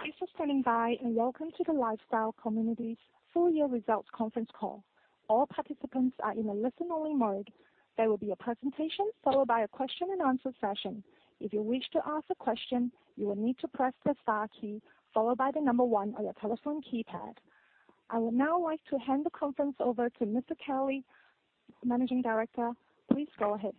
Thank you for standing by, and welcome to the Lifestyle Communities Full Year Results Conference Call. All participants are in a listen-only mode. There will be a presentation followed by a question-and-answer session. If you wish to ask a question, you will need to press the star key followed by the number one on your telephone keypad. I would now like to hand the conference over to Mr. Kelly, Managing Director. Please go ahead.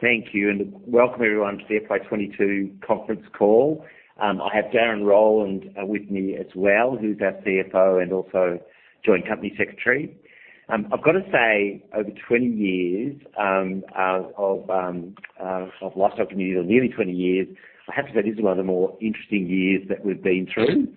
Thank you, and welcome everyone to the FY 2022 conference call. I have Darren Rowland with me as well, who's our CFO and also joint company secretary. I've gotta say, over 20 years of Lifestyle Communities, or nearly 20 years, perhaps that is one of the more interesting years that we've been through.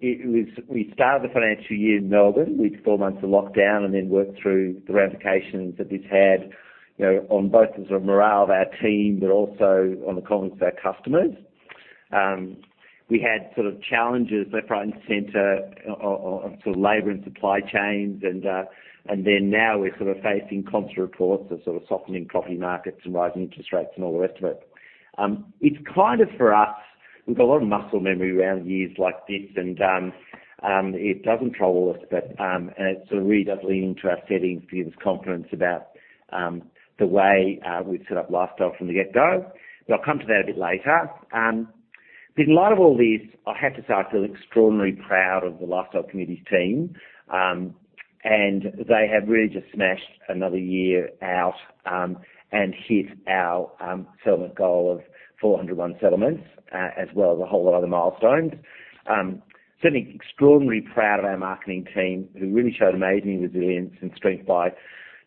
We started the financial year in Melbourne with four months of lockdown and then worked through the ramifications that this had, you know, on both the sort of morale of our team, but also on the confidence of our customers. We had sort of challenges left, right, and center of labor and supply chains and then now we're sort of facing constant reports of sort of softening property markets and rising interest rates and all the rest of it. It's kind of for us, we've got a lot of muscle memory around years like this and, it doesn't trouble us, but, and it sort of really does lean into our settings to give us confidence about, the way, we've set up Lifestyle from the get-go. I'll come to that a bit later. In light of all this, I have to say I feel extraordinarily proud of the Lifestyle Communities team. They have really just smashed another year out, and hit our, settlement goal of 401 settlements as well as a whole lot of other milestones. Certainly extraordinarily proud of our marketing team, who really showed amazing resilience and strength by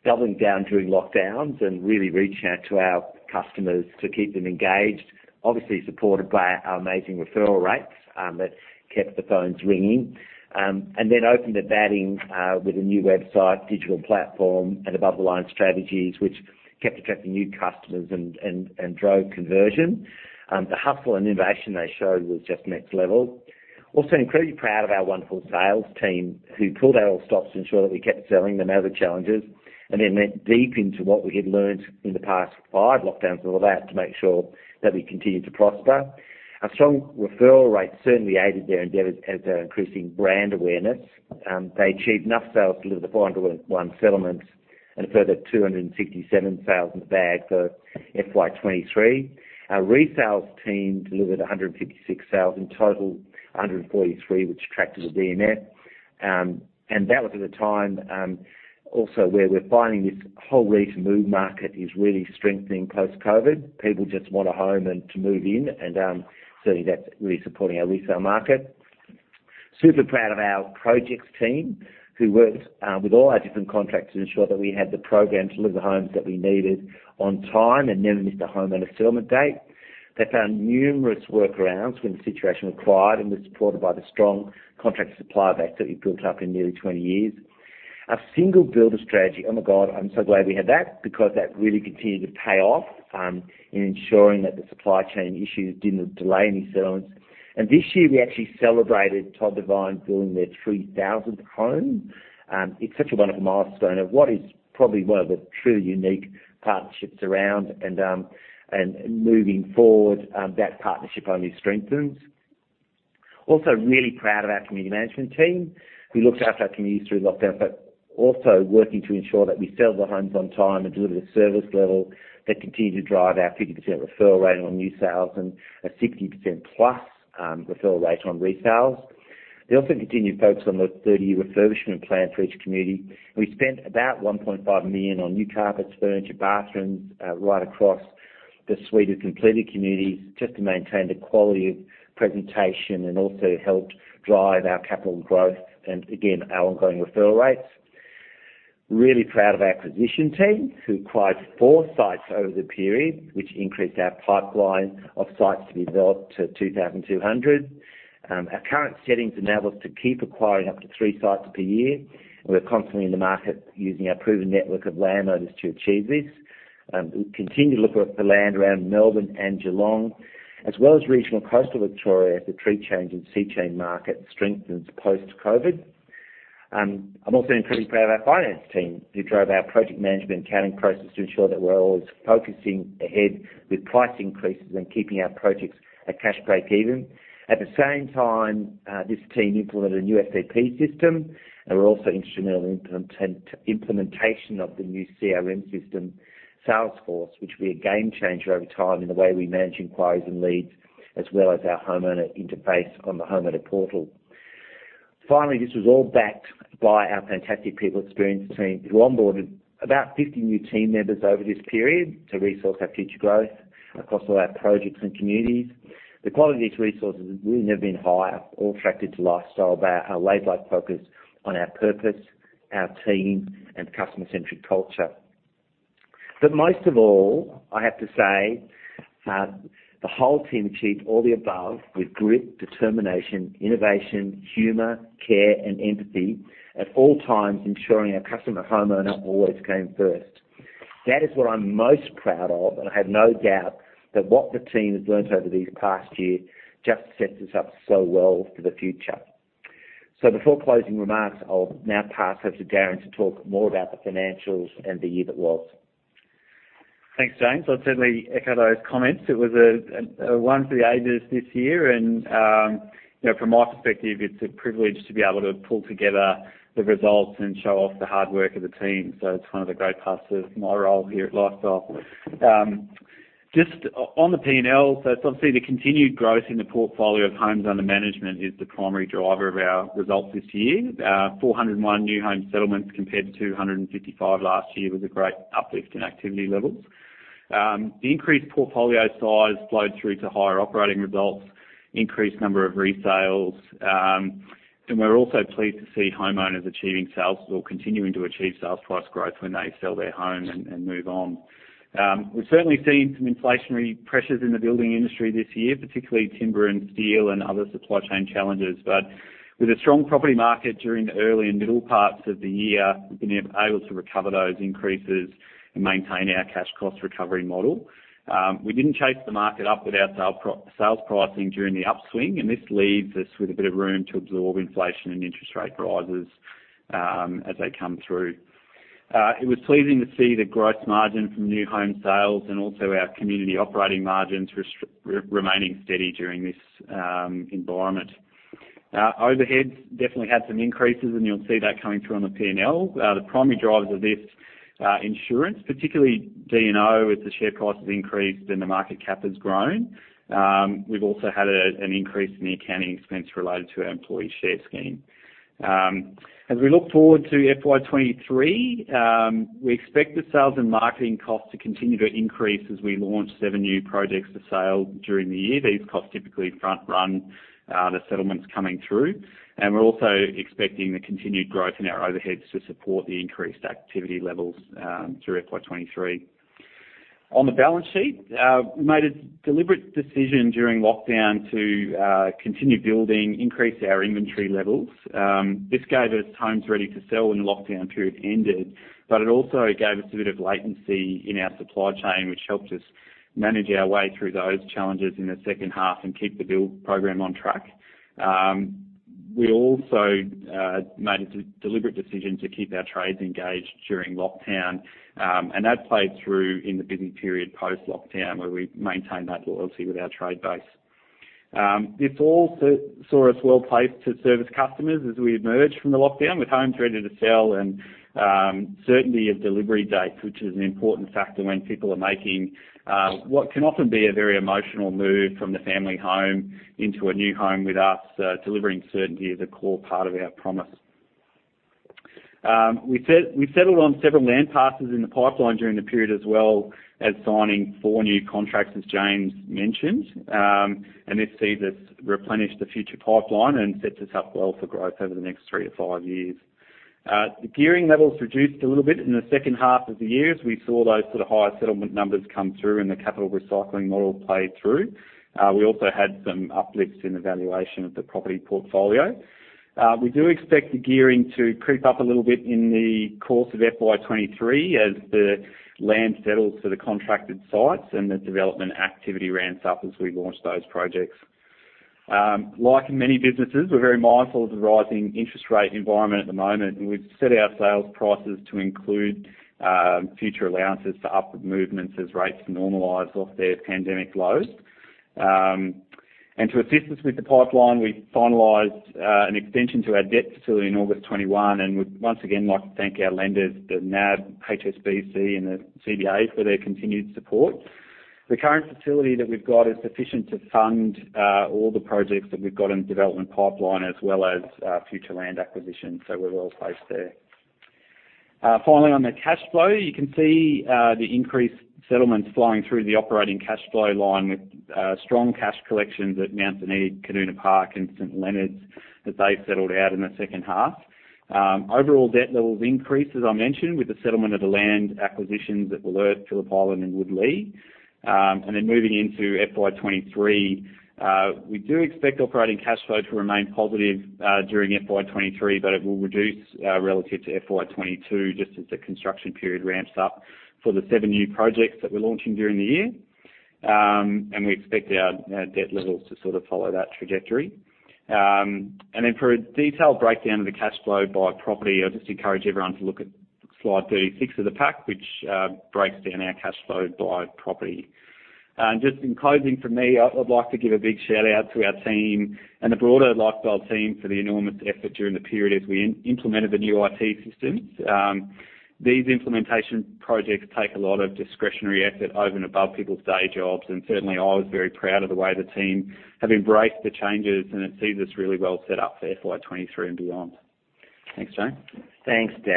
doubling down during lockdowns and really reaching out to our customers to keep them engaged, obviously supported by our amazing referral rates that kept the phones ringing. Opened the batting with a new website, digital platform, and above-the-line strategies, which kept attracting new customers and drove conversion. The hustle and innovation they showed was just next level. Also incredibly proud of our wonderful sales team who pulled out all stops to ensure that we kept selling them out of the challenges, and then went deep into what we had learned in the past five lockdowns and all that to make sure that we continued to prosper. Our strong referral rates certainly aided their endeavors as they're increasing brand awareness. They achieved enough sales to deliver the 401 settlements and a further 267 sales in the bag for FY 2023. Our resales team delivered 156 sales in total, 143, which attracted a DMF. That was at a time, also where we're finding this whole land lease market is really strengthening post-COVID. People just want a home and to move in and certainly that's really supporting our resale market. Super proud of our projects team, who worked with all our different contractors to ensure that we had the program to deliver the homes that we needed on time and never missed a homeowner settlement date. They found numerous workarounds when the situation required and was supported by the strong contractor supply base that we've built up in nearly 20 years. Our single builder strategy, oh my God, I'm so glad we had that because that really continued to pay off in ensuring that the supply chain issues didn't delay any settlements. This year we actually celebrated Todd Devine Homes building their 3,000th home. It's such a wonderful milestone of what is probably one of the truly unique partnerships around and moving forward that partnership only strengthens. Also really proud of our community management team, who looked after our communities through lockdown, but also working to ensure that we sell the homes on time and deliver the service level that continued to drive our 50% referral rate on new sales and a 60%+ referral rate on resales. They also continued focus on the 30-year refurbishment plan for each community. We spent about 1.5 million on new carpets, furniture, bathrooms, right across the suite of completed communities just to maintain the quality of presentation and also helped drive our capital growth and again, our ongoing referral rates. Really proud of our acquisition team, who acquired four sites over the period, which increased our pipeline of sites to be developed to 2,200. Our current settings enable us to keep acquiring up to three sites per year. We're constantly in the market using our proven network of landowners to achieve this. We continue to look at the land around Melbourne and Geelong, as well as regional coastal Victoria as the tree change and sea change market strengthens post-COVID. I'm also incredibly proud of our finance team, who drove our project management accounting process to ensure that we're always focusing ahead with price increases and keeping our projects at cash break-even. At the same time, this team implemented a new SAP system and were also instrumental in the implementation of the new CRM system Salesforce, which will be a game changer over time in the way we manage inquiries and leads, as well as our homeowner interface on the homeowner portal. Finally, this was all backed by our fantastic people experience team, who onboarded about 50 new team members over this period to resource our future growth across all our projects and communities. The quality of these resources has really never been higher, all attracted to Lifestyle by our laser-like focus on our purpose, our team, and customer-centric culture. Most of all, I have to say, the whole team achieved all the above with grit, determination, innovation, humor, care, and empathy, at all times ensuring our customer homeowner always came first. That is what I'm most proud of, and I have no doubt that what the team has learned over this past year just sets us up so well for the future. Before closing remarks, I'll now pass over to Darren to talk more about the financials and the year that was. Thanks, James. I'd certainly echo those comments. It was a one for the ages this year and, you know, from my perspective, it's a privilege to be able to pull together the results and show off the hard work of the team. It's one of the great parts of my role here at Lifestyle. Just on the P&L, it's obviously the continued growth in the portfolio of homes under management is the primary driver of our results this year. 401 new home settlements compared to 255 last year was a great uplift in activity levels. The increased portfolio size flowed through to higher operating results, increased number of resales, and we're also pleased to see homeowners achieving sales or continuing to achieve sales price growth when they sell their home and move on. We've certainly seen some inflationary pressures in the building industry this year, particularly timber and steel and other supply chain challenges. With a strong property market during the early and middle parts of the year, we've been able to recover those increases and maintain our cash cost recovery model. We didn't chase the market up with our sales pricing during the upswing, and this leaves us with a bit of room to absorb inflation and interest rate rises, as they come through. It was pleasing to see the gross margin from new home sales and also our community operating margins remaining steady during this environment. Overheads definitely had some increases, and you'll see that coming through on the P&L. The primary drivers of this, insurance, particularly D&O, as the share price has increased, and the market cap has grown. We've also had an increase in the accounting expense related to our employee share scheme. As we look forward to FY 2023, we expect the sales and marketing costs to continue to increase as we launch seven new projects for sale during the year. These costs typically front run the settlements coming through. We're also expecting the continued growth in our overheads to support the increased activity levels through FY 2023. On the balance sheet, we made a deliberate decision during lockdown to continue building, increase our inventory levels. This gave us homes ready to sell when the lockdown period ended, but it also gave us a bit of latency in our supply chain, which helped us manage our way through those challenges in the second half and keep the build program on track. We also made a deliberate decision to keep our trades engaged during lockdown, and that played through in the busy period post-lockdown, where we maintained that loyalty with our trade base. This all saw us well-placed to service customers as we emerged from the lockdown with homes ready to sell and certainty of delivery dates, which is an important factor when people are making what can often be a very emotional move from the family home into a new home with us. Delivering certainty is a core part of our promise. We settled on several land passes in the pipeline during the period, as well as signing four new contracts, as James mentioned. This sees us replenish the future pipeline and sets us up well for growth over the next three to five years. The gearing levels reduced a little bit in the second half of the year as we saw those sort of higher settlement numbers come through and the capital recycling model play through. We also had some uplifts in the valuation of the property portfolio. We do expect the gearing to creep up a little bit in the course of FY 2023 as the land settles for the contracted sites and the development activity ramps up as we launch those projects. Like in many businesses, we're very mindful of the rising interest rate environment at the moment, and we've set our sales prices to include future allowances for upward movements as rates normalize off their pandemic lows. To assist us with the pipeline, we finalized an extension to our debt facility in August 2021, and we'd once again like to thank our lenders, the NAB, HSBC, and the CBA for their continued support. The current facility that we've got is sufficient to fund all the projects that we've got in the development pipeline, as well as future land acquisitions. We're well placed there. Finally, on the cash flow, you can see the increased settlements flowing through the operating cash flow line with strong cash collections at Mount Duneed, Kaduna Park, and St Leonards as they settled out in the second half. Overall debt levels increased, as I mentioned, with the settlement of the land acquisitions at Ballarat, Phillip Island, and Wollert. Moving into FY 2023, we do expect operating cash flow to remain positive during FY 2023, but it will reduce relative to FY 2022, just as the construction period ramps up for the seven new projects that we're launching during the year. We expect our debt levels to sort of follow that trajectory. For a detailed breakdown of the cash flow by property, I just encourage everyone to look at slide 36 of the pack, which breaks down our cash flow by property. Just in closing for me, I would like to give a big shout-out to our team and the broader Lifestyle team for the enormous effort during the period as we implemented the new IT systems. These implementation projects take a lot of discretionary effort over and above people's day jobs, and certainly I was very proud of the way the team have embraced the changes, and it sees us really well set up for FY 2023 and beyond. Thanks, James. Thanks,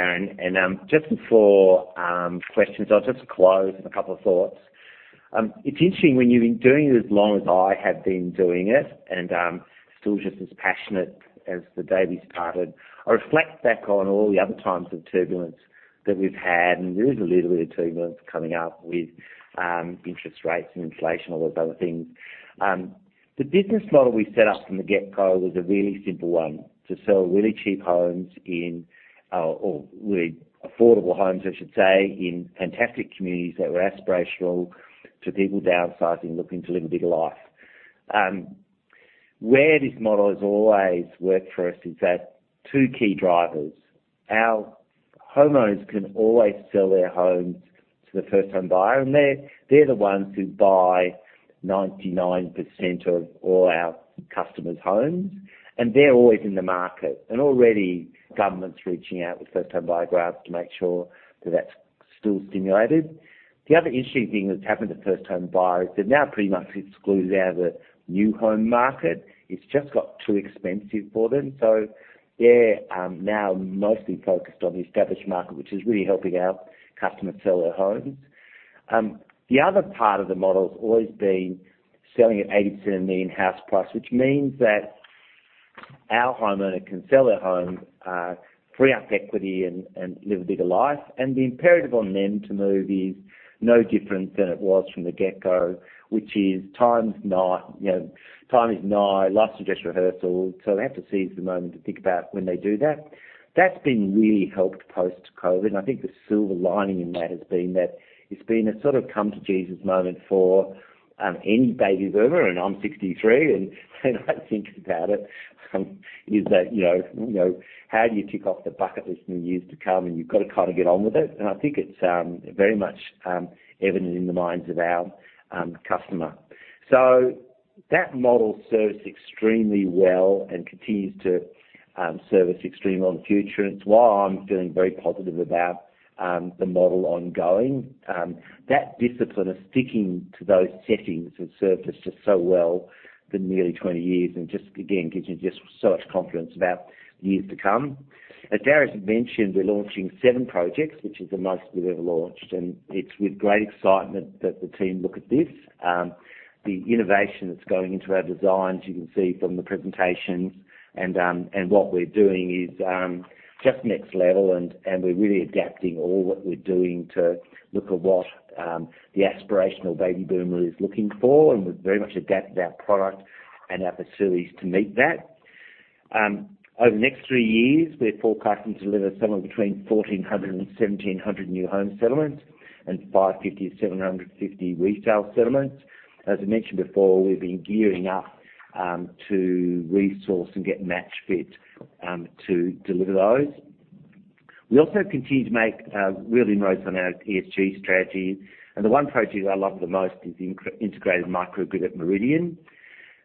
Darren. Just before questions, I'll just close with a couple of thoughts. It's interesting when you've been doing it as long as I have been doing it and still just as passionate as the day we started. I reflect back on all the other times of turbulence that we've had, and there is a little bit of turbulence coming up with interest rates and inflation, all those other things. The business model we set up from the get-go was a really simple one, to sell really cheap homes in or really affordable homes, I should say, in fantastic communities that were aspirational to people downsizing, looking to live a bigger life. Where this model has always worked for us is that two key drivers. Our homeowners can always sell their homes to the first home buyer, and they're the ones who buy 99% of all our customers' homes, and they're always in the market. Already, government's reaching out with first home buyer grants to make sure that that's still stimulated. The other interesting thing that's happened to first home buyers is they're now pretty much excluded out of the new home market. It's just got too expensive for them. They're now mostly focused on the established market, which is really helping our customers sell their homes. The other part of the model has always been selling at 87 million House plus, which means that our homeowner can sell their homes, free up equity and live a bit of life. The imperative on them to move is no different than it was from the get-go, which is you know, time is nigh, life's just rehearsal, so they have to seize the moment to think about when they do that. That's been really helped post-COVID. I think the silver lining in that has been that it's been a sort of come to Jesus moment for any baby boomer, and I'm 63, and I think about it is that, you know, how do you tick off the bucket list in the years to come? You've got to kinda get on with it. I think it's very much evident in the minds of our customer. That model serves extremely well and continues to service extremely well in the future, and it's why I'm feeling very positive about the model ongoing. That discipline of sticking to those settings has served us just so well for nearly 20 years and just, again, gives you just so much confidence about the years to come. As Darren mentioned, we're launching seven projects, which is the most we've ever launched, and it's with great excitement that the team look at this. The innovation that's going into our designs, you can see from the presentations and what we're doing is just next level and we're really adapting all what we're doing to look at what the aspirational baby boomer is looking for, and we've very much adapted our product and our facilities to meet that. Over the next three years, we're forecasting to deliver somewhere between 1400 and 1700 new home settlements and 550-750 resale settlements. As I mentioned before, we've been gearing up to resource and get match fit to deliver those. We also continue to make real inroads on our ESG strategy, and the one project I love the most is the integrated microgrid at Meridian.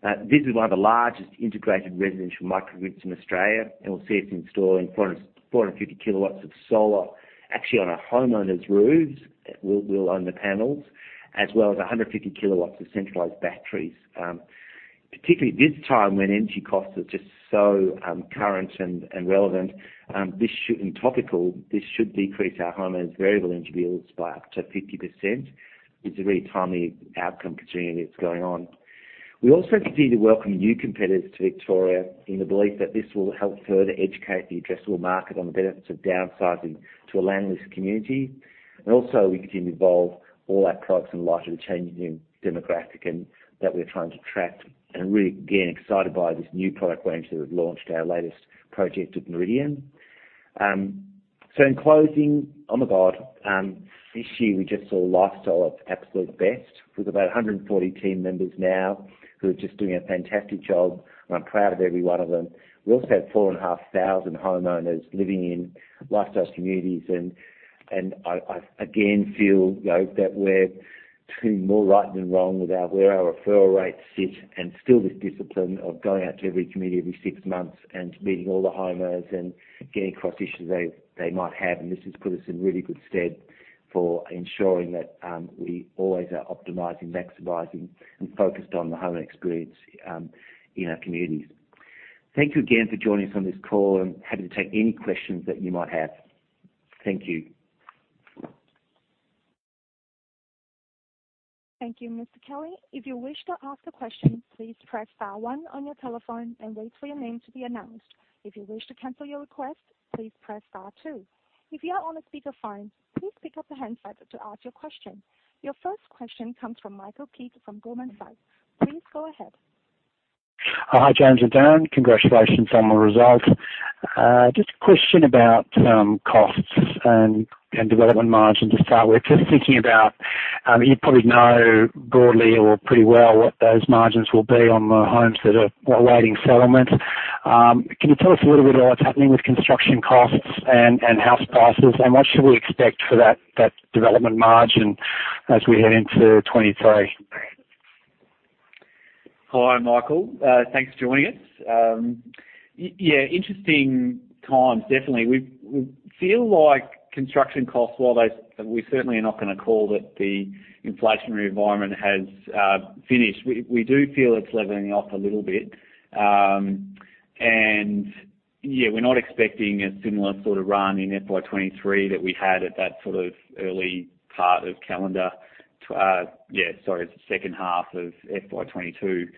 This is one of the largest integrated residential microgrids in Australia, and we'll see it's installing 450 kW of solar actually on our homeowners' roofs. We'll own the panels. As well as 150 kW of centralized batteries. Particularly this time when energy costs are just so current and relevant and topical, this should decrease our homeowners' variable energy bills by up to 50%. It's a really timely outcome potentially when it's going on. We also continue to welcome new competitors to Victoria in the belief that this will help further educate the addressable market on the benefits of downsizing to a land lease community. We continue to evolve all our products in light of the changing demographic and that we're trying to attract and really, again, excited by this new product range that we've launched, our latest project at Meridian. In closing, oh my God, this year we just saw Lifestyle at its absolute best. With about 140 team members now who are just doing a fantastic job, and I'm proud of every one of them. We also have 4,500 homeowners living in Lifestyle's communities and I again feel, you know, that we're doing more right than wrong with our referral rates sit and still this discipline of going out to every community every six months and meeting all the homeowners and getting across issues they might have. This has put us in really good stead for ensuring that we always are optimizing, maximizing and focused on the home experience in our communities. Thank you again for joining us on this call and happy to take any questions that you might have. Thank you. Thank you, Mr. Kelly. If you wish to ask a question, please press star one on your telephone and wait for your name to be announced. If you wish to cancel your request, please press star two. If you are on a speakerphone, please pick up the handset to ask your question. Your first question comes from Michael Peet from Goldman Sachs. Please go ahead. Hi, James and Darren. Congratulations on the results. Just a question about, costs and development margin to start with. Just thinking about, you probably know broadly or pretty well what those margins will be on the homes that are awaiting settlement. Can you tell us a little bit about what's happening with construction costs and house prices, and what should we expect for that development margin as we head into 2023? Hi, Michael. Thanks for joining us. Yeah, interesting times, definitely. We feel like construction costs, while we certainly are not gonna call that the inflationary environment has finished. We do feel it's leveling off a little bit. Yeah, we're not expecting a similar sort of run in FY 2023 that we had at that sort of second half of FY 2022.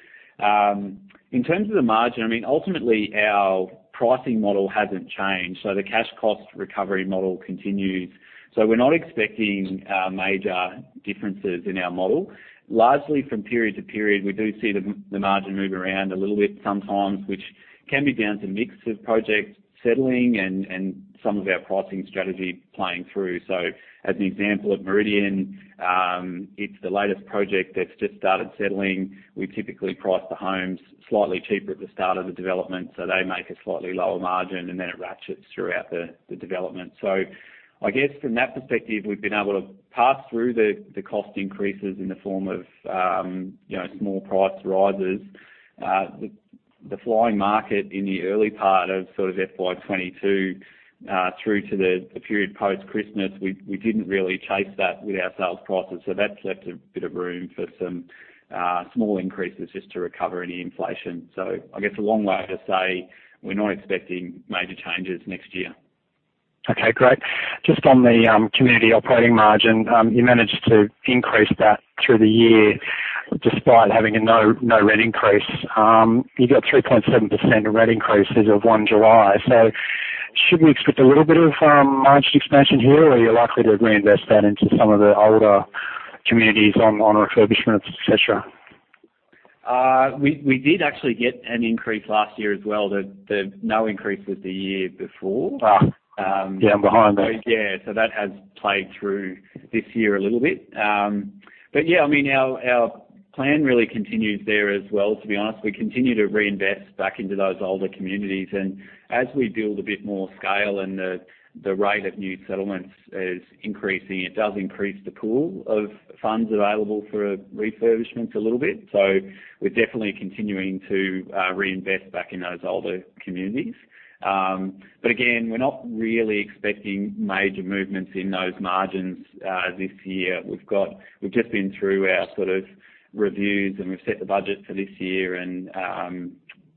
In terms of the margin, I mean, ultimately, our pricing model hasn't changed. So the cash cost recovery model continues. We're not expecting major differences in our model. Largely from period to period, we do see the margin move around a little bit sometimes, which can be down to mix of projects settling and some of our pricing strategy playing through. As an example of Meridian, it's the latest project that's just started settling. We typically price the homes slightly cheaper at the start of the development, so they make a slightly lower margin, and then it ratchets throughout the development. I guess from that perspective, we've been able to pass through the cost increases in the form of, you know, small price rises. The flying market in the early part of sort of FY 2022 through to the period post-Christmas, we didn't really chase that with our sales prices, so that's left a bit of room for some small increases just to recover any inflation. I guess a long way to say we're not expecting major changes next year. Okay, great. Just on the community operating margin, you managed to increase that through the year despite having no rent increase. You got 3.7% rent increases on 1st July. Should we expect a little bit of margin expansion here, or are you likely to reinvest that into some of the older communities on refurbishments, et cetera? We did actually get an increase last year as well. The no increase was the year before. Yeah, I'm behind. Yeah. That has played through this year a little bit. Yeah, I mean, our plan really continues there as well, to be honest. We continue to reinvest back into those older communities. As we build a bit more scale and the rate of new settlements is increasing, it does increase the pool of funds available for refurbishments a little bit. We're definitely continuing to reinvest back in those older communities. Again, we're not really expecting major movements in those margins this year. We've just been through our sort of reviews, and we've set the budget for this year and,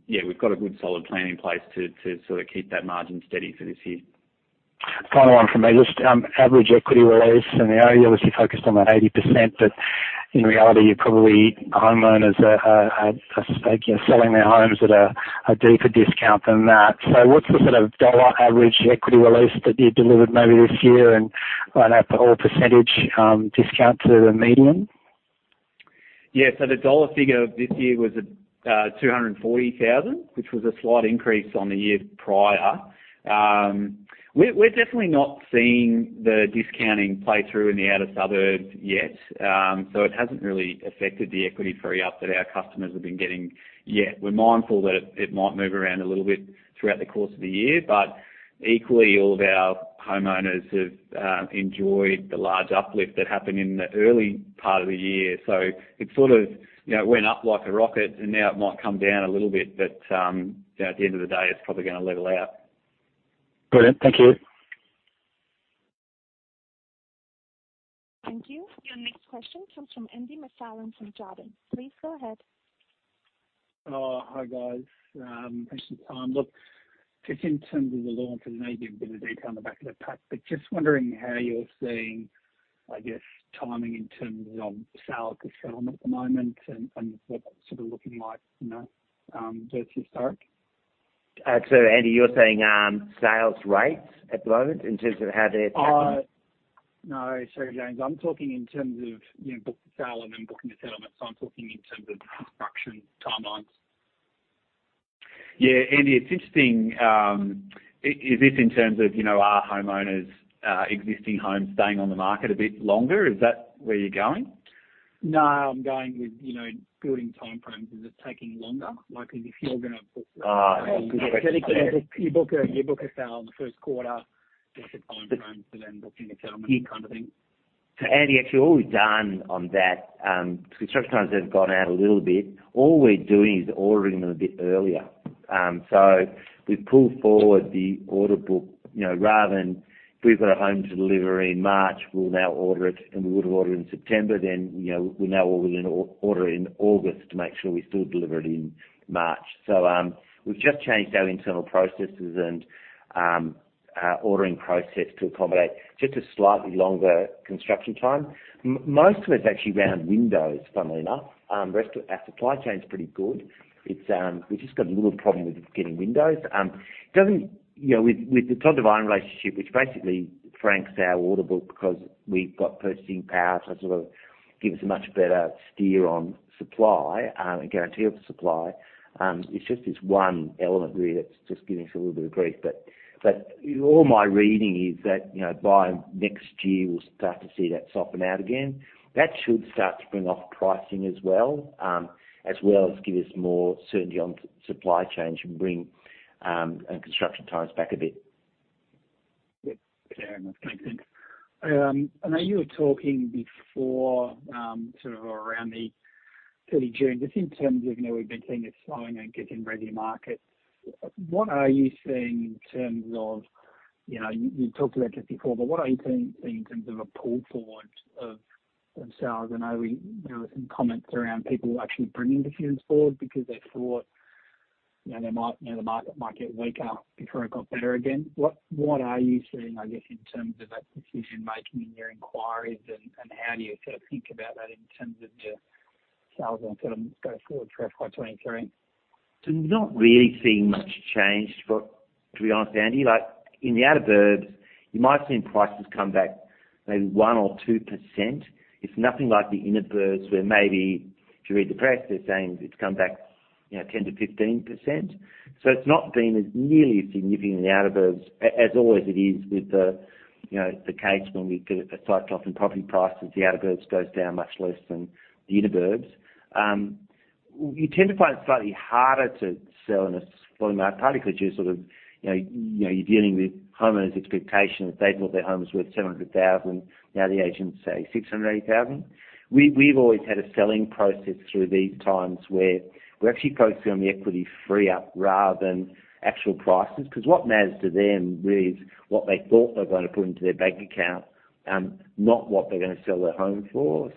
yeah, we've got a good solid plan in place to sort of keep that margin steady for this year. Final one for me. Just average equity release and the earlier you focused on the 80%, but in reality you're probably homeowners are, I suspect, you know, selling their homes at a deeper discount than that. What's the sort of dollar average equity release that you delivered maybe this year and overall percentage discount to the median? Yeah. The dollar figure of this year was 240,000, which was a slight increase on the year prior. We're definitely not seeing the discounting play through in the outer suburbs yet. It hasn't really affected the equity free up that our customers have been getting yet. We're mindful that it might move around a little bit throughout the course of the year, but equally all of our homeowners have enjoyed the large uplift that happened in the early part of the year. It sort of, you know, went up like a rocket and now it might come down a little bit, but, you know, at the end of the day, it's probably gonna level out. Brilliant. Thank you. Thank you. Your next question comes from Andrew MacFarlane from Jarden. Please go ahead. Oh, hi, guys. Thanks for the time. Look, just in terms of the launch, and you gave a bit of detail on the back of the pack, but just wondering how you're seeing, I guess, timing in terms of sale to settlement at the moment and what it's sort of looking like, you know, versus historic. Andy, you're saying sales rates at the moment in terms of how they're? No, sorry, James. I'm talking in terms of, you know, book to sale and then booking to settlement. I'm talking in terms of construction timelines. Yeah. Andy, it's interesting. Is this in terms of, you know, are homeowners, existing homes staying on the market a bit longer? Is that where you're going? No, I'm going with, you know, building time frames. Is it taking longer? Like, if you're gonna put- Oh, good question. You book a sale in the first quarter, different time frames for then booking a settlement kind of thing. Andy, actually, all we've done on that, construction times have gone out a little bit. All we're doing is ordering them a bit earlier. We've pulled forward the order book. You know, rather than if we've got a home to deliver in March, we'll now order it and we would have ordered in September, then, you know, we now will order in August to make sure we still deliver it in March. We've just changed our internal processes and, our ordering process to accommodate just a slightly longer construction time. Most of it's actually around windows, funnily enough. The rest of our supply chain is pretty good. It's, we've just got a little problem with getting windows. It doesn't. You know, with the Todd Devine relationship, which basically franks our order book because we've got purchasing power to sort of give us a much better steer on supply, a guarantee of supply. It's just this one element really that's just giving us a little bit of grief. All my reading is that, you know, by next year we'll start to see that soften out again. That should start to bring off pricing as well, as well as give us more certainty on supply chains and bring construction times back a bit. Yeah. That's great. Thanks. I know you were talking before, sort of around the 30th June, just in terms of, you know, we've been seeing a slowing in the retirement market. What are you seeing in terms of, you know, you talked about this before, but what are you seeing in terms of a pull forward of sales? There were some comments around people actually bringing decisions forward because they thought, you know, they might, you know, the market might get weaker before it got better again. What are you seeing, I guess, in terms of that decision making in your inquiries and how do you sort of think about that in terms of the sales and settlements going forward for FY 2023? Not really seeing much change for, to be honest, Andy. Like, in the outer burbs, you might have seen prices come back maybe 1 or 2%. It's nothing like the inner burbs, where maybe if you read the press, they're saying it's come back, you know, 10-15%. It's not been nearly as significant in the outer burbs as it always is with the, you know, the case when we get a cycle up in property prices, the outer burbs goes down much less than the inner burbs. You tend to find it slightly harder to sell in a slowing market, particularly because you're sort of, you know, you're dealing with homeowners' expectations. They thought their home was worth 700,000, now the agents say 680,000. We've always had a selling process through these times where we actually focus on the equity free up rather than actual prices. Because what matters to them is what they thought they were going to put into their bank account, not what they're gonna sell their home for.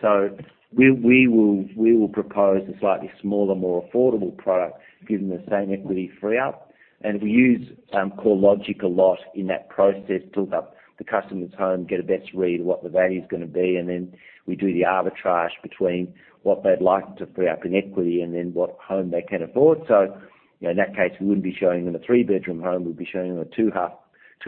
We will propose a slightly smaller, more affordable product, giving the same equity free up. We use CoreLogic a lot in that process to look up the customer's home, get a best read of what the value is gonna be, and then we do the arbitrage between what they'd like to free up in equity and then what home they can afford. You know, in that case, we wouldn't be showing them a three-bedroom home, we'd be showing them a two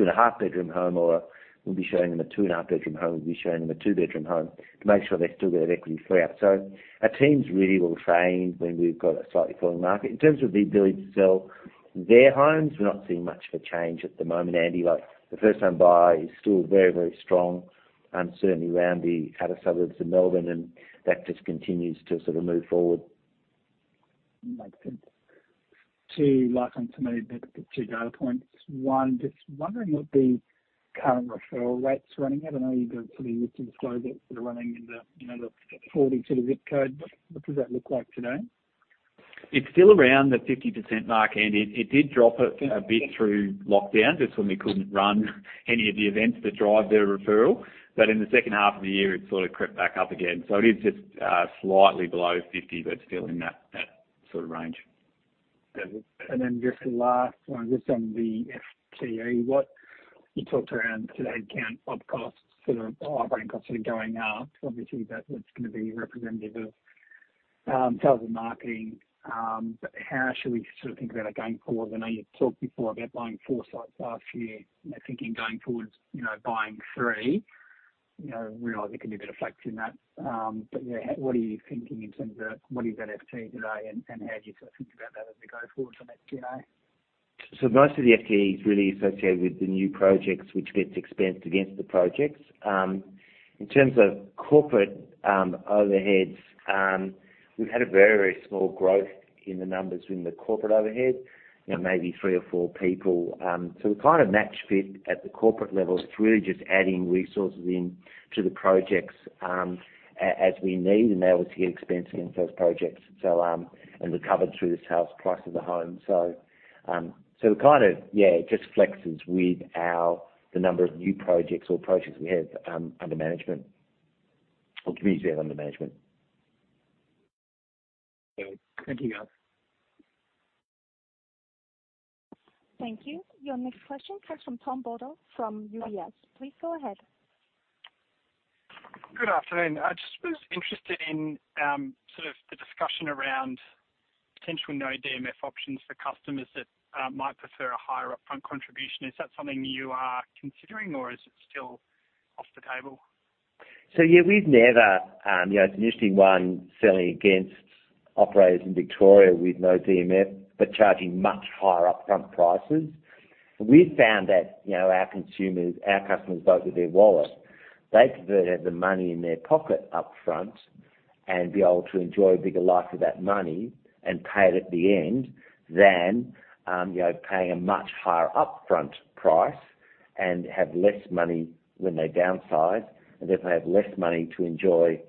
and a half bedroom home, or we'll be showing them a two and a half bedroom home, we'll be showing them a two bedroom home to make sure they still get an equity free up. Our team's really well trained when we've got a slightly falling market. In terms of their ability to sell their homes, we're not seeing much of a change at the moment, Andy. Like, the first time buyer is still very, very strong, certainly around the outer suburbs of Melbourne, and that just continues to sort of move forward. Makes sense. Two last ones from me, the two data points. One, just wondering what the current referral rate's running at. I know you've got something you need to disclose it, sort of running into, you know, the 40 sort of zip code. What does that look like today? It's still around the 50% mark, and it did drop a bit through lockdown just when we couldn't run any of the events that drive their referral. In the second half of the year, it sort of crept back up again. It is just slightly below 50, but still in that sort of range. Just the last one, just on the FTE. What you talked around today about op costs, sort of operating costs are going up. Obviously, that one's gonna be representative of sales and marketing. But how should we sort of think about it going forward? I know you've talked before about buying four sites last year. You're thinking going towards, you know, buying three. You know, realize there can be a bit of flex in that. But yeah, what are you thinking in terms of what is that FTE today, and how do you sort of think about that as we go forward from FTE? Most of the FTE is really associated with the new projects, which gets expensed against the projects. In terms of corporate overheads, we've had a very small growth in the numbers in the corporate overhead, you know, maybe three or four people. We're kind of match fit at the corporate level. It's really just adding resources into the projects, as we need, and they obviously expense against those projects. They're covered through the sales price of the home. We kind of, it just flexes with the number of new projects or projects we have under management or communities we have under management. Okay. Thank you, guys. Thank you. Your next question comes from Tom Bodor from UBS. Please go ahead. Good afternoon. I just was interested in, sort of the discussion around potentially no DMF options for customers that, might prefer a higher upfront contribution. Is that something you are considering or is it still off the table? We've never, you know, initially when selling against operators in Victoria with no DMF, but charging much higher upfront prices. We've found that, you know, our consumers, our customers vote with their wallet. They'd prefer to have the money in their pocket up front and be able to enjoy a bigger life with that money and pay it at the end than, you know, paying a much higher upfront price and have less money when they downsize, and therefore have less money to enjoy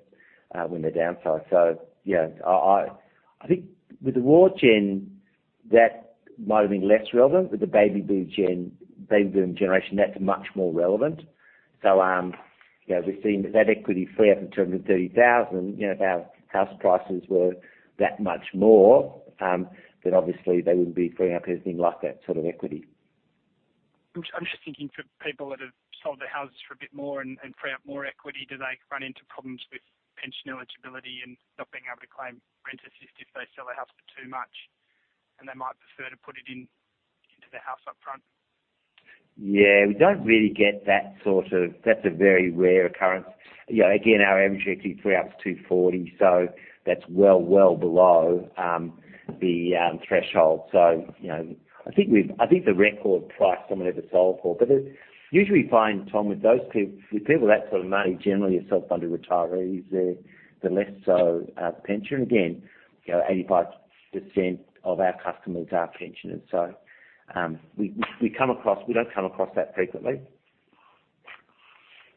when they downsize. I think with the war gen, that might have been less relevant. With the baby boom gen, baby boom generation, that's much more relevant. You know, we've seen that equity free up to 230,000. You know, if our house prices were that much more, then obviously they wouldn't be freeing up anything like that sort of equity. I'm just thinking for people that have sold their houses for a bit more and free up more equity, do they run into problems with pension eligibility and not being able to claim rent assist if they sell a house for too much, and they might prefer to put it into the house up front? Yeah. We don't really get that sort of. That's a very rare occurrence. You know, again, our average equity free up is 240, so that's well below the threshold. You know, I think the record price someone ever sold for. Usually we find, Tom, with those people, with people with that sort of money, generally are self-funded retirees. They're less so pension. Again, you know, 85% of our customers are pensioners. We don't come across that frequently.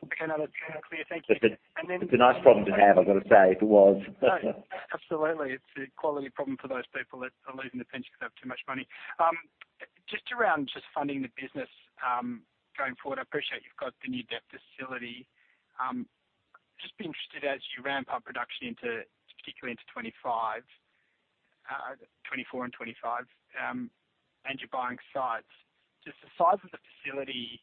Okay. No, that's clear. Thank you. It's a nice problem to have. I've got to say if it was. No, absolutely. It's a quality problem for those people that are losing their pension because they have too much money. Just around funding the business going forward. I appreciate you've got the new debt facility. Just be interested as you ramp up production into, particularly into 2024 and 2025, and you're buying sites. Does the size of the facility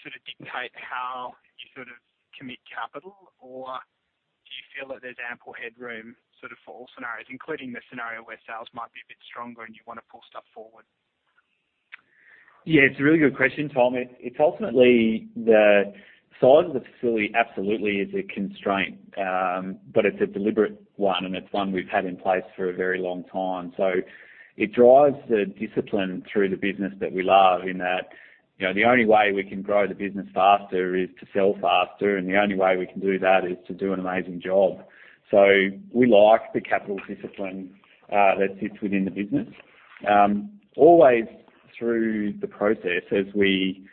sort of dictate how you sort of commit capital or do you feel that there's ample headroom sort of for all scenarios, including the scenario where sales might be a bit stronger and you wanna pull stuff forward? Yeah, it's a really good question, Tom. It's ultimately the size of the facility absolutely is a constraint, but it's a deliberate one, and it's one we've had in place for a very long time. It drives the discipline through the business that we love in that, you know, the only way we can grow the business faster is to sell faster, and the only way we can do that is to do an amazing job. We like the capital discipline that sits within the business. Always through the process as we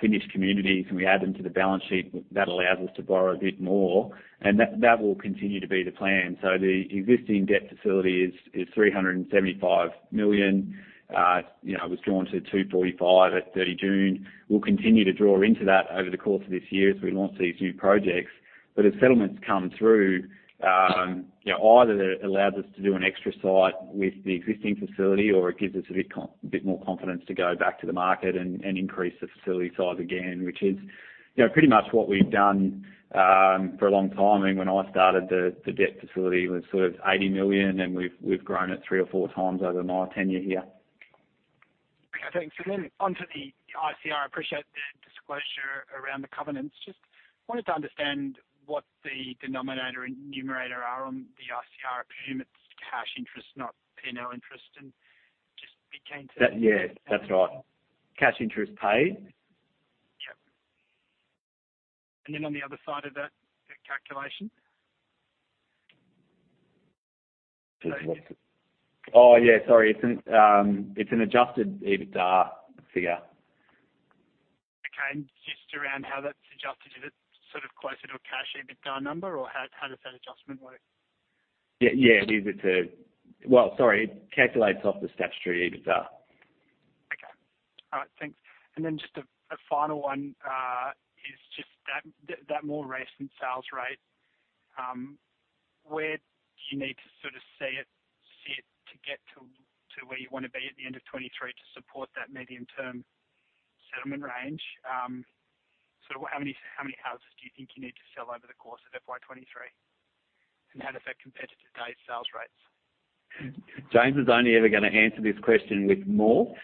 finish communities and we add them to the balance sheet, that allows us to borrow a bit more, and that will continue to be the plan. The existing debt facility is 375 million. You know, it was drawn to 245 million at 30th June. We'll continue to draw into that over the course of this year as we launch these new projects. As settlements come through, you know, either that allows us to do an extra site with the existing facility, or it gives us a bit more confidence to go back to the market and increase the facility size again, which is, you know, pretty much what we've done, for a long time. I mean, when I started, the debt facility was sort of 80 million, and we've grown it three or four times over my tenure here. Okay, thanks. Onto the ICR. I appreciate the disclosure around the covenants. Just wanted to understand what the denominator and numerator are on the ICR. I presume it's cash interest, not P&L interest, and just be keen to Yeah, that's right. Cash interest paid. Yep. On the other side of that calculation. Oh, yeah, sorry. It's an adjusted EBITDA figure. Okay. Just around how that's adjusted, is it sort of closer to a cash EBITDA number, or how does that adjustment work? Yeah, yeah. Well, sorry, it calculates off the statutory EBITDA. Okay. All right, thanks. Just a final one is just that more recent sales rate, where do you need to sort of see it sit to get to where you wanna be at the end of 2023 to support that medium-term settlement range? How many houses do you think you need to sell over the course of FY 2023, and how does that compare to today's sales rates? James is only ever gonna answer this question with more.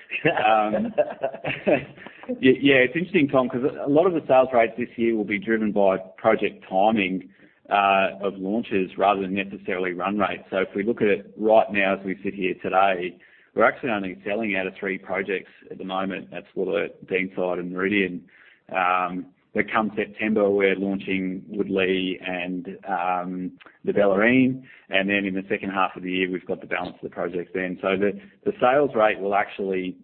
Yeah, it's interesting, Tom, 'cause a lot of the sales rates this year will be driven by project timing of launches rather than necessarily run rate. If we look at it right now as we sit here today, we're actually only selling out of three projects at the moment. That's Wollert, Deanside, and Meridian. Come September, we're launching Woodlea and the Bellarine, and then in the second half of the year, we've got the balance of the projects then. The sales rate will actually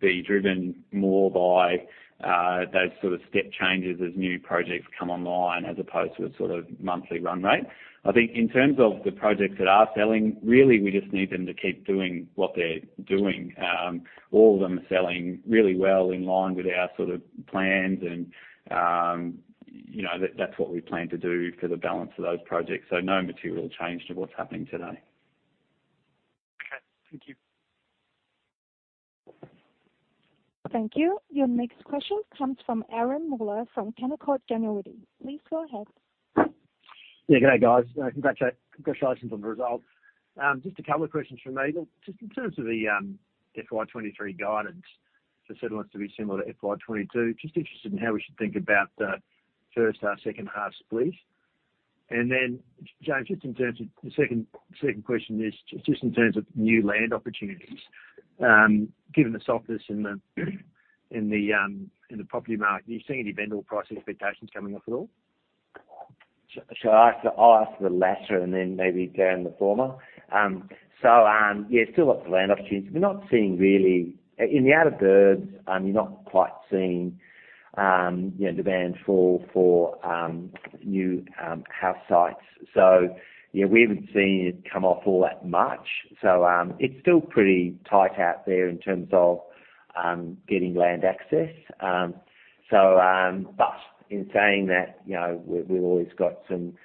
be driven more by those sort of step changes as new projects come online as opposed to a sort of monthly run rate. I think in terms of the projects that are selling, really, we just need them to keep doing what they're doing. All of them are selling really well in line with our sort of plans and, you know, that's what we plan to do for the balance of those projects. No material change to what's happening today. Okay, thank you. Thank you. Your next question comes from Aaron Muller from Canaccord Genuity. Please go ahead. Yeah, good day, guys. Congratulations on the results. Just a couple of questions from me. Just in terms of the FY 2023 guidance for settlements to be similar to FY 2022, just interested in how we should think about the first half, second half split. James, just in terms of the second question is just in terms of new land opportunities, given the softness in the property market, are you seeing any vendor price expectations coming off at all? I'll ask the latter and then maybe Darren the former. Yeah, still lots of land opportunities. We're not seeing really in the outer 'burbs, you're not quite seeing, you know, demand fall for new house sites. Yeah, we haven't seen it come off all that much. It's still pretty tight out there in terms of getting land access. In saying that, you know, we've always got some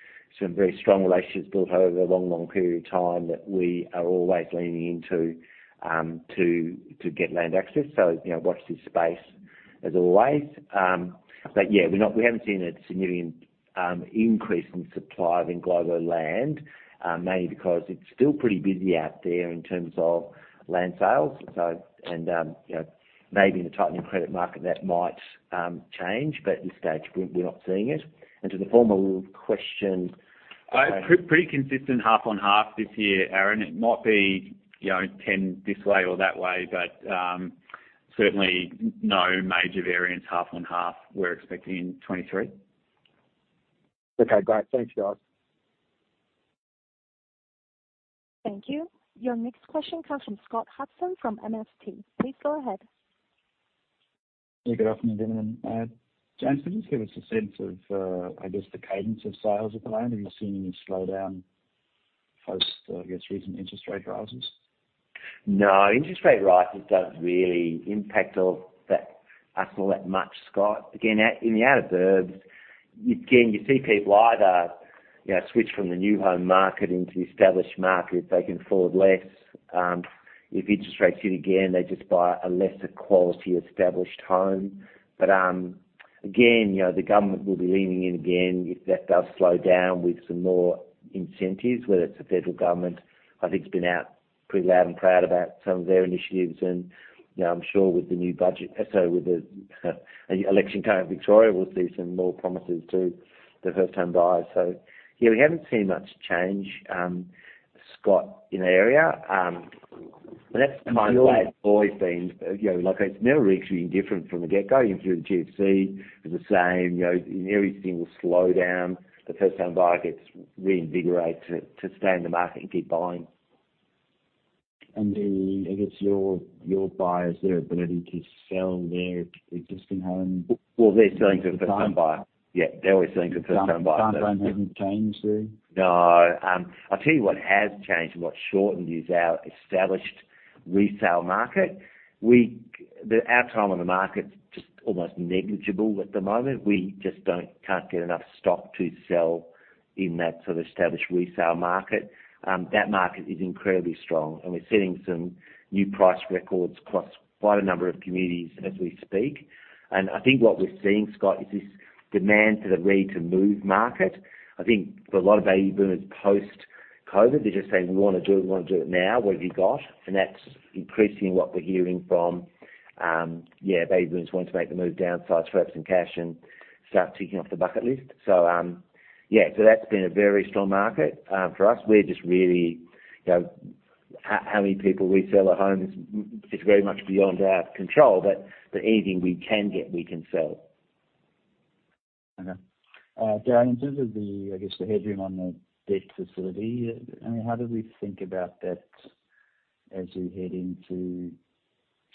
very strong relationships built over a long period of time that we are always leaning into to get land access. You know, watch this space as always. Yeah, we haven't seen a significant increase in supply of englobo land, mainly because it's still pretty busy out there in terms of land sales. You know, maybe in the tightening credit market that might change, but at this stage, we're not seeing it. To the former question. Pretty consistent half on half this year, Aaron. It might be, you know, 10 this way or that way, but certainly no major variance half on half we're expecting in 2023. Okay, great. Thanks, guys. Thank you. Your next question comes from Scott Hudson from MST. Please go ahead. Yeah, good afternoon, gentlemen. James, could you just give us a sense of, I guess, the cadence of sales at the moment? Have you seen any slowdown post, I guess, recent interest rate rises? No. Interest rate rises don't really impact us all that much, Scott. Again, out in the outer 'burbs, you see people, you know, switch from the new home market into the established market. They can afford less. If interest rates hit again, they just buy a lesser quality established home. Again, you know, the government will be leaning in again if that does slow down with some more incentives, whether it's the federal government. I think it's been out pretty loud and proud about some of their initiatives and, you know, I'm sure with the new budget, with the election coming, Victoria will see some more promises to the first-time buyers. Yeah, we haven't seen much change, Scott, in our area. That's kind of how it's always been. You know, like, it's never extremely different from the get-go. Even through the GFC, it was the same. You know, everything will slow down. The first home buyer gets reinvigorated to stay in the market and keep buying. I guess your buyers, their ability to sell their existing home. Well, they're selling to a first-time buyer. Yeah, they're always selling to first-time buyers. Timeframe hasn't changed though? No. I'll tell you what has changed and what's shortened is our established resale market. Our time on the market's just almost negligible at the moment. We just don't, can't get enough stock to sell in that sort of established resale market. That market is incredibly strong, and we're setting some new price records across quite a number of communities as we speak. I think what we're seeing, Scott, is this demand for the ready-to-move market. I think for a lot of baby boomers post-COVID, they're just saying, "We wanna do it, we wanna do it now. What have you got?" That's increasingly what we're hearing from baby boomers wanting to make the move, downsize, grab some cash and start ticking off the bucket list. Yeah, that's been a very strong market for us. We're just really, you know, how many people we sell a home is very much beyond our control. Anything we can get, we can sell. Darren, in terms of the, I guess, the headroom on the debt facility, I mean, how do we think about that as we head into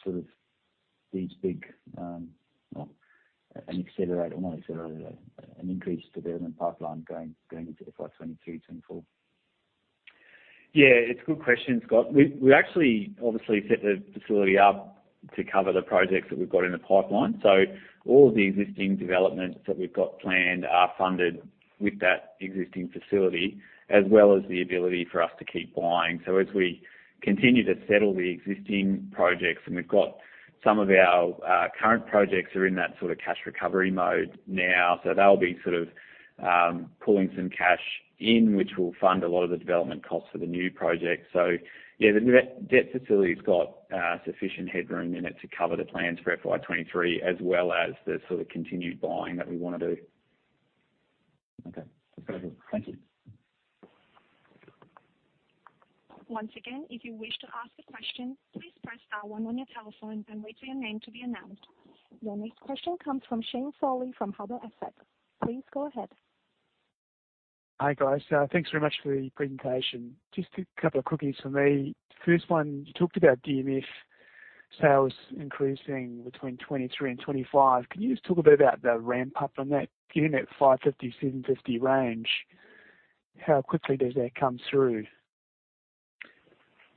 sort of these big, an increase development pipeline going into FY 2022 to FY 2024? Yeah, it's a good question, Scott. We actually obviously set the facility up to cover the projects that we've got in the pipeline. All of the existing developments that we've got planned are funded with that existing facility, as well as the ability for us to keep buying. As we continue to settle the existing projects, and we've got some of our current projects are in that sort of cash recovery mode now, so they'll be sort of pulling some cash in, which will fund a lot of the development costs for the new projects. Yeah, the debt facility's got sufficient headroom in it to cover the plans for FY 2023, as well as the sort of continued buying that we wanna do. Okay. That's very helpful. Thank you. Once again, if you wish to ask a question, please press star one on your telephone and wait for your name to be announced. Your next question comes from Shane Solly from Harbour Asset. Please go ahead. Hi, guys. Thanks very much for the presentation. Just a couple of quickies from me. First one, you talked about DMF sales increasing between 23 and 25. Can you just talk a bit about the ramp-up on that, given that 550-750 range, how quickly does that come through?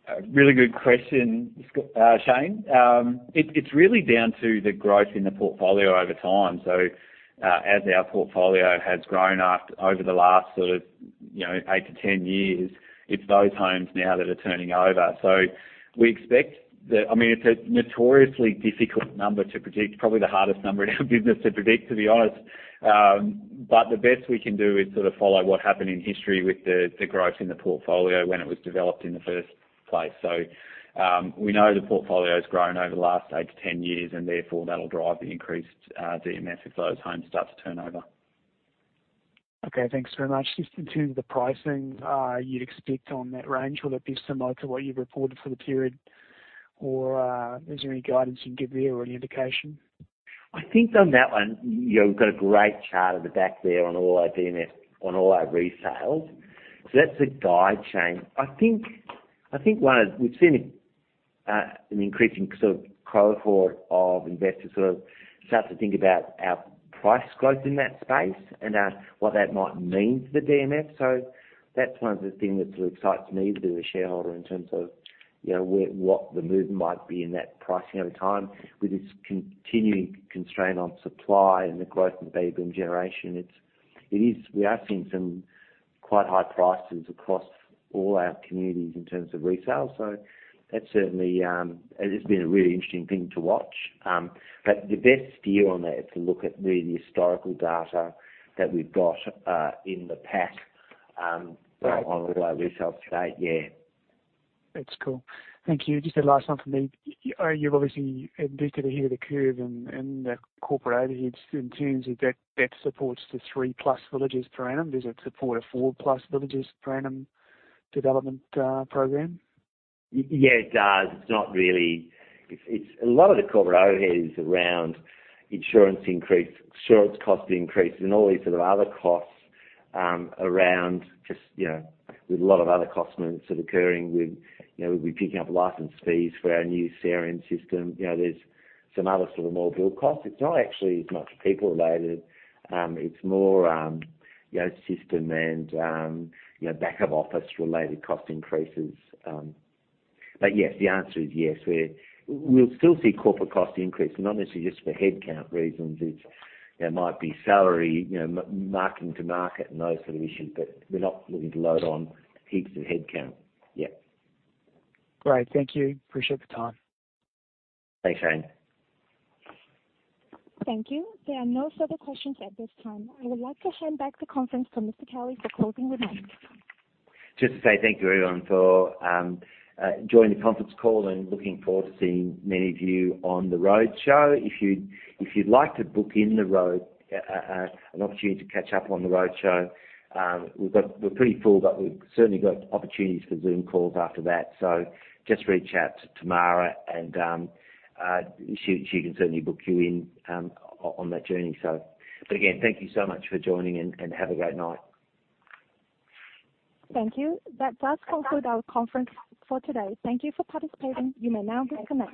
A really good question, Shane. It's really down to the growth in the portfolio over time. As our portfolio has grown up over the last sort of, you know, eight to 10 years, it's those homes now that are turning over. We expect. I mean, it's a notoriously difficult number to predict, probably the hardest number in our business to predict, to be honest. The best we can do is sort of follow what happened in history with the growth in the portfolio when it was developed in the first place. We know the portfolio's grown over the last eight to 10 years, and therefore that'll drive the increased DMF if those homes start to turn over. Okay. Thanks very much. Just in terms of the pricing, you'd expect on that range, will it be similar to what you've reported for the period? Or, is there any guidance you can give there or any indication? I think on that one, you know, we've got a great chart at the back there on all our DMF, on all our resales. That's a guide, Shane. I think we've seen an increasing sort of cohort of investors sort of start to think about our price growth in that space and what that might mean for the DMF. That's one of the things that sort of excites me as a shareholder in terms of, you know, where, what the movement might be in that pricing over time. With this continuing constraint on supply and the growth in baby boom generation, we are seeing some quite high prices across all our communities in terms of resale. That's certainly. It has been a really interesting thing to watch. The best steer on that is to look at really historical data that we've got in the pack on all our resales to date, yeah. That's cool. Thank you. Just a last one from me. You're obviously acting ahead of the curve and the corporate overheads in terms of debt supports the three+ villages per annum. Does it support a four+ villages per annum development program? Yeah, it does. It's not really. A lot of the corporate overhead is around insurance increase, insurance cost increase and all these sort of other costs around just, you know, with a lot of other costs sort of occurring with, you know, we'd be picking up license fees for our new CRM system. You know, there's some other sort of more build costs. It's not actually as much people related. It's more, you know, system and, you know, back office related cost increases. Yes, the answer is yes. We'll still see corporate cost increase, not necessarily just for headcount reasons. It might be salary, you know, market to market and those sort of issues. We're not looking to load on heaps of headcount. Yeah. Great. Thank you. Appreciate the time. Thanks, Shane. Thank you. There are no further questions at this time. I would like to hand back the conference to Mr. Kelly for closing remarks. Just to say thank you everyone for joining the conference call, and looking forward to seeing many of you on the road show. If you'd like an opportunity to catch up on the road show, we're pretty full, but we've certainly got opportunities for Zoom calls after that. Just reach out to Tamara and she can certainly book you in on that journey. Again, thank you so much for joining and have a great night. Thank you. That does conclude our conference for today. Thank you for participating. You may now disconnect.